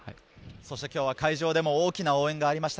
今日は会場でも大きな応援がありました。